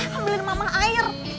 kamu beli mama air